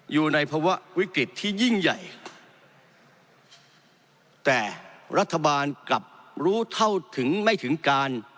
อยู่ในภาวะวิกฤตที่ยิ่งใหญ่แต่รัฐบาลกลับรู้เท่าถึงไม่ถึงการ